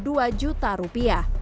tim liputan cnn berita